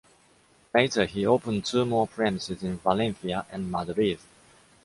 Later, he opened two more premises in Valencia and Madrid.